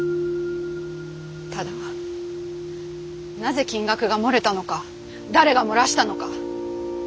ただなぜ金額が漏れたのか誰が漏らしたのか。